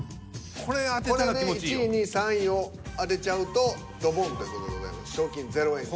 これで１位２位３位を当てちゃうとドボンという事でございます。